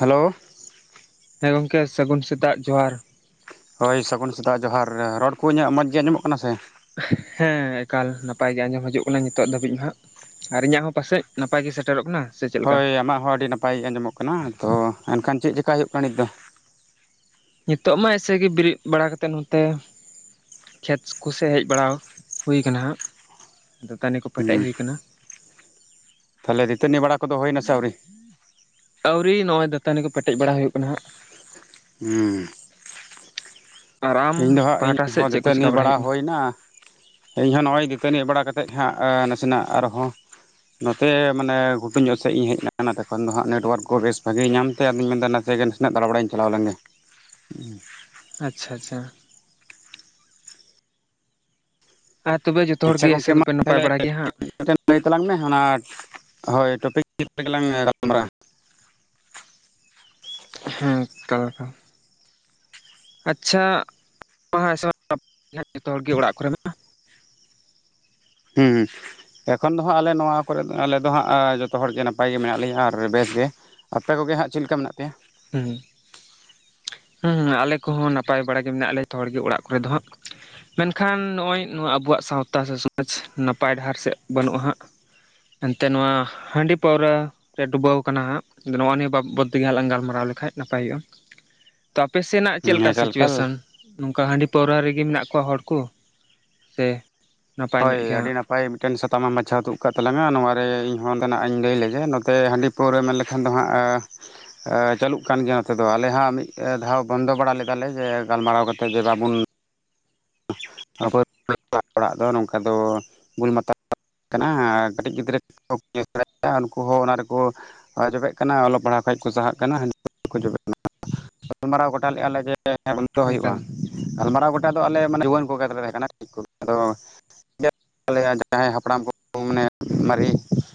Hello ᱦᱮᱸ ᱜᱚᱝᱠᱮ ᱥᱟᱹᱜᱩᱱ ᱥᱮᱛᱟᱜ ᱡᱚᱦᱟᱸᱨ ᱦᱳᱭ ᱥᱟᱹᱜᱩᱱ ᱥᱮᱛᱟᱜ ᱡᱚᱦᱟᱸᱨ ᱨᱚᱲ ᱠᱚ ᱤᱧᱟᱹᱜ ᱢᱚᱡᱽ ᱜᱮ ᱟᱸᱡᱚᱢᱚᱜ ᱠᱟᱱᱟ ᱥᱮ? ᱦᱮᱸ ᱮᱠᱟᱞ ᱱᱟᱯᱟᱭ ᱜᱮ ᱟᱸᱡᱚᱢ ᱦᱤᱡᱩᱜ ᱠᱟᱱᱟ ᱱᱤᱛᱚᱜ ᱫᱷᱟᱹᱵᱤᱡ ᱫᱚ ᱦᱟᱸᱜ᱾ ᱟᱨ ᱤᱧᱟᱹᱜ ᱦᱚᱸ ᱯᱟᱥᱮᱡ ᱱᱟᱯᱟᱭ ᱜᱮ ᱥᱮᱴᱮᱨᱚᱜ ᱠᱟᱱᱟ? ᱥᱮ ᱪᱮᱫ ᱞᱮᱠᱟ ᱦᱳᱭ ᱟᱢᱟᱜ ᱦᱚᱸ ᱟᱹᱰᱤ ᱱᱟᱯᱟᱭ ᱟᱸᱡᱚᱢᱚᱜ ᱠᱟᱱᱟ᱾ ᱛᱚ ᱮᱱᱠᱷᱟᱱ ᱪᱮᱫ ᱪᱮᱠᱟ ᱦᱩᱭᱩᱜ ᱠᱟᱱᱟ ᱱᱤᱛ ᱫᱚ? ᱱᱤᱛᱚᱜ ᱢᱟ ᱮᱭᱥᱮ ᱜᱮ ᱵᱮᱨᱮᱫ ᱵᱟᱲᱟ ᱠᱟᱛᱮᱫ ᱱᱚᱛᱮ ᱠᱷᱮᱛ ᱠᱚᱥᱮᱫ ᱦᱮᱡ ᱵᱟᱲᱟ ᱦᱩᱭ ᱟᱠᱟᱱᱟ ᱦᱟᱸᱜ ᱫᱟᱹᱛᱟᱹᱱᱤ ᱠᱚ ᱯᱮᱴᱮᱡ ᱦᱮᱸ ᱦᱩᱭ ᱟᱠᱟᱱᱟ᱾ ᱛᱟᱦᱚᱞᱮ ᱫᱟᱹᱛᱟᱹᱱᱤ ᱵᱟᱲᱟ ᱠᱚᱫᱚ ᱦᱩᱭᱱᱟ ᱥᱮ ᱟᱹᱣᱨᱤ? ᱟᱹᱣᱨᱤ ᱱᱚᱜᱼᱚᱭ ᱫᱟᱹᱛᱟᱹᱱᱤ ᱠᱚ ᱯᱮᱴᱮᱡ ᱵᱟᱲᱟ ᱦᱩᱭᱩᱜ ᱠᱟᱱᱟ ᱦᱟᱸᱜ ᱦᱩᱸ ᱟᱨ ᱟᱢ ᱤᱧ ᱫᱚ ᱦᱟᱸᱜ ᱯᱟᱦᱴᱟ ᱥᱮᱫ ᱤᱧᱦᱚᱸ ᱪᱮᱫ ᱠᱚ ᱫᱟᱹᱛᱟᱹᱱᱤ ᱪᱮᱠᱟ ᱵᱟᱲᱟ ᱦᱩᱭᱩᱜ ᱠᱟᱱᱟ ᱦᱩᱭ ᱮᱱᱟ᱾ ᱤᱧ ᱦᱚᱸᱱᱚᱜᱼᱚᱭ ᱫᱤᱛᱟᱹᱱᱤ ᱵᱟᱲᱟ ᱠᱟᱛᱮᱫ ᱦᱟᱸᱜ ᱱᱟᱥᱮᱱᱟᱜ ᱟᱨ ᱦᱚᱸ ᱱᱚᱛᱮ ᱢᱟᱱᱮ ᱜᱷᱩᱴᱩ ᱧᱚᱜ ᱥᱮᱫ ᱤᱧ ᱦᱮᱡ ᱮᱱᱟ ᱱᱚᱛᱮ ᱠᱷᱚᱱ ᱫᱚ ᱦᱟᱜ ᱱᱮᱴᱚᱣᱟᱨᱠ ᱠᱚ ᱵᱮᱥ ᱵᱷᱟᱹᱜᱤ ᱧᱟᱢᱛᱮ ᱟᱫᱚᱧ ᱢᱮᱱᱫᱟ ᱱᱟᱥᱮ ᱱᱟᱹᱜ ᱫᱟᱲᱟ ᱵᱟᱲᱟᱭᱧ ᱪᱟᱞᱟᱣ ᱞᱮᱱ ᱜᱮ᱾ ᱟᱪᱪᱷᱟ ᱟᱪᱪᱷᱟ ᱟ ᱛᱚᱵᱮ ᱡᱚ ᱟᱪᱪᱷᱟ ᱜᱚᱢᱠᱮ ᱢᱟ ᱛᱟᱦᱚᱞᱮ ᱢᱤᱫ ᱴᱮᱱ ᱞᱟᱹᱭ ᱛᱟᱞᱟᱝ ᱢᱮ ᱚᱱᱟ ᱦᱳᱭ ᱴᱚᱯᱤᱠ ᱨᱮᱜᱮ ᱞᱟᱝ ᱜᱟᱯᱟᱞ ᱢᱟᱨᱟᱣᱟ ᱦᱮᱸ‌ ᱛᱚ ᱟᱫᱚ ᱟᱪᱪᱷᱟ ᱡᱚᱛᱚ ᱦᱚᱲ ᱜᱮ ᱚᱲᱟᱜ ᱠᱚ ᱨᱮ ᱢᱟ ᱦᱩᱸ ᱮᱠᱷᱚᱱ ᱫᱚ ᱦᱟᱸᱜ ᱟᱞᱮ ᱱᱚᱣᱟ ᱠᱚᱨᱮ ᱫᱚ ᱟᱞᱮ ᱫᱚ ᱦᱟᱸᱜ ᱡᱚᱛᱚ ᱦᱚᱲ ᱜᱮ ᱱᱟᱯᱟᱭ ᱜᱮ ᱢᱮᱱᱟᱜ ᱞᱮᱭᱟ ᱟᱨ ᱵᱮᱥ ᱜᱮ ᱟᱯᱮ ᱠᱚ ᱜᱮ ᱦᱟᱸᱜ ᱪᱮᱫ ᱞᱮᱠᱟ ᱢᱮᱱᱟᱜ ᱯᱮᱭᱟ ᱦᱩᱸ ᱦᱩᱸ ᱟᱞᱮ ᱠᱚ ᱦᱚᱸ ᱱᱟᱯᱟᱭ ᱵᱟᱲᱟ ᱜᱮ ᱢᱮᱱᱟᱜ ᱞᱮ ᱡᱚᱛᱚ ᱦᱚᱲ ᱜᱮ ᱚᱲᱟᱜ ᱠᱚ ᱨᱮ ᱫᱚ ᱦᱟᱸᱜ ᱢᱮᱱᱠᱷᱟᱱ ᱱᱚᱜᱼᱚᱭ ᱱᱚᱣᱟ ᱟᱵᱩᱣᱟᱜ ᱥᱟᱶᱛᱟ ᱥᱮ ᱥᱚᱢᱟᱡᱽ ᱱᱟᱯᱟᱭ ᱰᱟᱦᱟᱨ ᱥᱮᱫ ᱵᱟᱹᱱᱩᱜᱼᱟ ᱦᱟᱸᱜ ᱮᱱᱛᱮ ᱱᱚᱣᱟ ᱦᱟᱺᱰᱤ ᱯᱟᱹᱣᱨᱟ ᱨᱮ ᱰᱩᱵᱟᱹ ᱟᱠᱟᱱᱟ ᱦᱟᱜ ᱱᱚᱣᱟ ᱱᱤᱭᱟᱹ ᱵᱟᱵᱚᱛ ᱛᱮ ᱜᱮ ᱦᱟᱸᱜ ᱞᱟᱝ ᱜᱟᱞᱢᱟᱨᱟ ᱠᱚᱨᱟᱣ ᱞᱮᱠᱷᱟᱡ ᱱᱟᱯᱟᱭ ᱦᱩᱭᱩᱜᱼᱟ ᱛᱚ ᱟᱯᱮ ᱥᱮᱱᱟᱜ ᱪᱮᱫ ᱦᱮᱸ ᱞᱮᱠᱟ ᱮᱠᱟᱞ ᱮᱠᱟᱞ ᱥᱤᱪᱩᱭᱮᱥᱟᱱ ᱱᱚᱝᱠᱟ ᱦᱟᱺᱰᱤ ᱯᱟᱹᱣᱨᱟ ᱨᱮ ᱜᱮ ᱢᱮᱱᱟᱜ ᱠᱚᱣᱟ ᱦᱚᱲ ᱠᱚ ᱥᱮ ᱱᱟᱯᱟᱭ ᱦᱳᱭ ᱧᱚᱜ ᱜᱮ ᱟᱹᱰᱤ ᱱᱟᱯᱟᱭ ᱦᱟᱸᱜ ᱱᱟᱯᱟᱭ ᱢᱤᱫ ᱴᱮᱱ ᱥᱟᱛᱟᱢ ᱮᱢ ᱵᱟᱪᱷᱟᱣ ᱛᱩᱫ ᱟᱠᱟᱫ ᱛᱟᱞᱟᱝᱼᱟ ᱱᱚᱣᱟ ᱨᱮ ᱤᱧ ᱦᱚᱸ ᱚᱱᱮ ᱱᱟᱜ ᱤᱧ ᱞᱟᱹᱭ ᱞᱮᱜᱮ ᱱᱚᱛᱮ ᱦᱟᱜ ᱦᱟᱺᱰᱤ ᱯᱟᱹᱣᱨᱟᱹ ᱢᱮᱱ ᱞᱮᱠᱷᱟᱱ ᱫᱚ ᱦᱟᱸᱜ ᱪᱟᱹᱞᱩᱜ ᱠᱟᱱ ᱜᱮᱭᱟ ᱱᱚᱛᱮ ᱫᱚ ᱟᱞᱮ ᱦᱟᱸᱜ ᱢᱤᱫ ᱫᱷᱟᱣ ᱵᱚᱱᱫᱚ ᱵᱟᱲᱟ ᱞᱮᱫᱟ ᱞᱮ ᱡᱮ ᱜᱟᱞᱢᱟᱨᱟᱣ ᱠᱟᱛᱮᱫ ᱡᱮ ᱵᱟᱵᱚᱱ ᱚᱲᱟᱜ ᱫᱚ ᱱᱚᱝᱠᱟ ᱫᱚ ᱵᱩᱞ ᱢᱟᱛᱟ ᱠᱟᱱᱟ ᱠᱟᱹᱴᱤᱡ ᱜᱤᱫᱽᱨᱟᱹ [unintelligible] ᱵᱟᱲᱟᱭᱟ ᱩᱱᱠᱩ ᱦᱚᱸ ᱚᱱᱟ ᱨᱮᱠᱚ [unintelligible] ᱡᱚᱵᱮᱜ ᱠᱟᱱᱟ ᱚᱞᱚᱜ ᱯᱟᱲᱦᱟᱜ ᱠᱷᱚᱱ ᱠᱚ ᱥᱟᱦᱟᱜ ᱠᱟᱱᱟ ᱦᱟ. ᱰᱤ [unintelligible] ᱨᱮᱠᱚ ᱡᱚᱵᱮᱜ ᱠᱟᱱᱟ᱾ ᱜᱟᱞᱢᱟᱨᱟᱣ ᱜᱚᱴᱟ ᱞᱮᱫᱼᱟ ᱞᱮ ᱡᱮ ᱵᱚᱱᱫᱚ ᱦᱩᱭᱩᱜᱼᱟ᱾ ᱮᱠᱟᱞ ᱜᱟᱞᱢᱟᱨᱟᱣ ᱜᱚᱴᱟ ᱫᱚ ᱟᱞᱮ ᱢᱟᱱᱮ ᱡᱩᱣᱟᱹᱱ ᱠᱚᱜᱮ ᱞᱮ ᱛᱟᱦᱮᱸ ᱠᱟᱱᱟ ᱠᱚ ᱟᱫᱚ [unintelligible] ᱡᱟᱦᱟᱸᱭ ᱦᱟᱯᱲᱟᱢ ᱠᱚ ᱢᱟᱱᱮ ᱢᱟᱨᱮ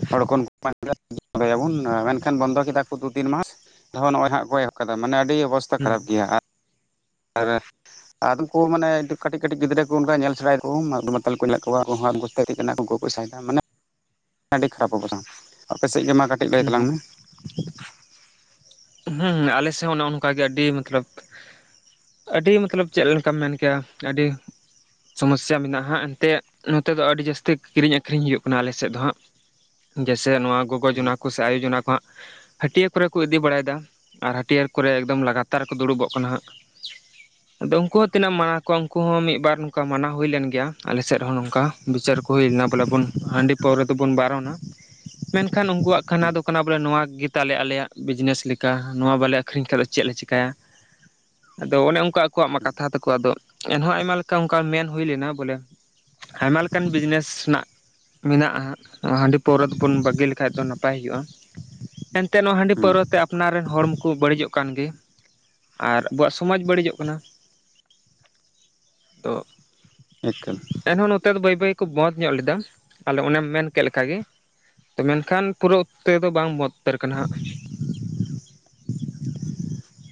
ᱦᱚᱲ [unintelligible] ᱵᱚᱱᱫᱚᱭ ᱟᱵᱚᱱ ᱢᱮᱱᱠᱷᱟᱱ ᱵᱚᱱᱫᱚ ᱠᱮᱫᱟ ᱠᱚ ᱫᱩ ᱛᱤᱱ ᱢᱟᱥ ᱟᱨᱦᱚ ᱱᱚᱜ-ᱚᱭ ᱦᱟᱸᱜ ᱠᱚ ᱮᱦᱚᱵ ᱟᱠᱟᱫᱟ ᱢᱟᱱᱮ ᱟᱹᱰᱤ ᱟᱹᱰᱤ ᱚᱵᱚᱥᱛᱷᱟ ᱦᱩᱸ ᱠᱷᱟᱨᱟᱯ ᱜᱮᱭᱟ [unintelligible] ᱟᱫᱚᱢ ᱠᱚ ᱢᱟᱱᱮ ᱠᱟᱹᱴᱤᱡ ᱠᱟᱹᱴᱤᱡ ᱜᱤᱫᱽᱨᱟᱹ ᱚᱱᱠᱟ ᱧᱮᱞ ᱥᱮᱲᱟᱭ ᱮᱫᱟ ᱠᱚ ᱢᱟᱛᱟᱞ ᱠᱚ ᱧᱮᱞ ᱠᱚᱣᱟ [unintelligible] ᱩᱱ [unintelligible] ᱢᱟᱱᱮ ᱟᱹᱰᱤ ᱠᱷᱟᱨᱟᱯ ᱚᱵᱚᱥᱛᱷᱟ᱾ ᱟᱯᱮ ᱥᱮᱫ ᱜᱮ ᱢᱟ ᱠᱟᱹᱴᱤᱡ ᱞᱟᱹᱭ ᱛᱟᱞᱟᱝ ᱦᱩᱸ ᱢᱮ ᱦᱩᱸ ᱦᱩᱸ ᱟᱞᱮ ᱥᱮᱫ ᱦᱚᱸ ᱱᱚᱝᱠᱟ ᱜᱮ ᱟᱹᱰᱤ ᱢᱚᱛᱞᱚᱵ ᱟᱹᱰᱤ ᱢᱚᱛᱞᱟᱵ ᱪᱮᱫ ᱞᱮᱠᱟᱢ ᱢᱮᱱ ᱠᱮᱫᱟ ᱟᱹᱰᱤ ᱥᱚᱢᱚᱥᱥᱟ ᱢᱮᱱᱟᱜᱼᱟᱜ ᱮᱱᱛᱮ ᱱᱚᱛᱮ ᱫᱚ ᱟᱹᱰᱤ ᱡᱟᱹᱥᱛᱤ ᱠᱤᱨᱤᱧ ᱟᱠᱷᱨᱤᱧ ᱦᱩᱭᱩᱜ ᱠᱟᱱᱟ ᱟᱞᱮ ᱥᱮᱫ ᱫᱚ ᱦᱟᱸᱜ ᱡᱮᱥᱮ ᱱᱚᱶᱟ ᱜᱚᱜᱚ ᱡᱚᱱᱟ ᱠᱚ ᱥᱮ ᱟᱭᱩ ᱡᱚᱱᱟ ᱠᱚ ᱦᱟᱸᱜ ᱦᱟᱹᱴᱤᱭᱟᱹ ᱠᱚᱨᱮ ᱠᱚ ᱤᱫᱤ ᱵᱟᱲᱟᱭ ᱮᱫᱟ᱾ ᱟᱨ ᱦᱟᱹᱴᱭᱟᱹᱨ ᱠᱚᱨᱮ ᱮᱠᱫᱚᱢ ᱞᱟᱜᱟᱛᱟᱨ ᱠᱚ ᱫᱩᱲᱩᱵᱚᱜ ᱠᱟᱱᱟ ᱦᱟᱸᱜ [unintelligible] ᱟᱫᱚ ᱩᱱᱠᱩ ᱦᱚᱸ ᱛᱤᱱᱟᱹᱜ ᱮᱢ ᱢᱟᱱᱟᱣ ᱠᱚᱣᱟ ᱩᱱᱠᱩ ᱦᱚᱸ ᱢᱤᱫ ᱵᱟᱨ ᱱᱚᱝᱠᱟ ᱢᱟᱱᱟᱣ ᱦᱩᱭ ᱞᱮᱱ ᱜᱮᱭᱟ ᱟᱞᱮ ᱥᱮᱫ ᱦᱚᱸ ᱱᱚᱝᱠᱟ ᱵᱤᱪᱟᱨ ᱠᱚ ᱦᱩᱭ ᱞᱮᱱᱟ ᱵᱚᱞᱮ ᱵᱚᱱ ᱦᱟᱺᱰᱤ ᱯᱟᱹᱣᱨᱟᱹ ᱫᱚᱵᱚᱱ ᱵᱟᱨᱚᱱᱟ᱾ ᱢᱮᱱᱠᱷᱟᱱ ᱩᱱᱠᱩᱣᱟᱜ ᱦᱮᱸ [unintelligible] ᱫᱚ ᱠᱟᱱᱟ ᱵᱚᱞᱮ ᱱᱚᱣᱟ ᱜᱮ ᱛᱟᱞᱮ ᱟᱞᱮᱭᱟᱜ ᱵᱤᱡᱽᱱᱮᱥ ᱞᱮᱠᱟ ᱞᱮᱠᱟ ᱱᱚᱣᱟ ᱵᱟᱞᱮ ᱟᱹᱠᱷᱨᱤᱧ ᱠᱷᱟᱡ ᱫᱚ ᱪᱮᱫ ᱞᱮ ᱪᱮᱠᱟᱹᱭᱟ ᱟᱫᱚ ᱚᱱᱮ ᱚᱱᱠᱟ ᱟᱠᱚᱣᱟᱜ ᱢᱟ ᱠᱟᱛᱷᱟ ᱛᱟᱠᱚ ᱟᱫᱚ ᱮᱱᱦᱚᱸ ᱟᱭᱢᱟ ᱞᱮᱠᱟ ᱚᱱᱠᱟ ᱢᱮᱱ ᱦᱩᱭ ᱞᱮᱱᱟ ᱵᱚᱞᱮ ᱟᱭᱢᱟ ᱞᱮᱠᱟᱱ ᱵᱤᱡᱽᱱᱮᱥ ᱨᱮᱱᱟᱜ ᱢᱮᱱᱟᱜᱼᱟ ᱦᱟᱺᱰᱤ ᱯᱟᱹᱣᱨᱟᱹ ᱫᱚ ᱵᱚᱱ ᱵᱟᱹᱜᱤ ᱞᱮᱠᱷᱟᱱ ᱫᱚ ᱱᱟᱯᱟᱭ ᱦᱳᱭᱳᱜᱼᱟ᱾ ᱮᱱᱛᱮ ᱱᱚᱣᱟ ᱦᱟᱺᱰᱤ ᱯᱟᱹᱣᱨᱟᱹ ᱦᱮᱸ ᱛᱮ ᱟᱯᱱᱟᱨ ᱨᱮᱱ ᱦᱚᱲ ᱢᱟᱠᱚ ᱠᱚ ᱵᱟᱹᱲᱤᱡᱚᱜ ᱠᱟᱱ ᱜᱮ ᱟᱨ ᱟᱵᱚᱣᱟᱜ ᱥᱚᱢᱟᱡᱽ ᱵᱟᱹᱲᱤᱡᱚᱜ ᱠᱟᱱᱟ᱾ ᱛᱚ ᱮᱠᱟᱞ᱾ ᱮᱱᱦᱚᱸ ᱱᱚᱛᱮ ᱫᱚ ᱵᱟᱹᱭ ᱵᱟᱹᱭ ᱠᱚ ᱵᱚᱸᱫᱽ ᱧᱚᱜ ᱞᱮᱫᱟ [unintelligible] ᱚᱱᱮᱢ ᱢᱮᱱ ᱠᱮᱫ ᱞᱮᱠᱟ ᱜᱮ ᱛᱚ ᱢᱮᱱᱠᱷᱟᱱ ᱯᱩᱨᱟᱹ ᱚᱠᱛᱮ ᱫᱚ ᱵᱟᱝ ᱵᱚᱫᱽ ᱩᱛᱟᱹᱨ ᱟᱠᱟᱱᱟ ᱦᱟᱸᱜ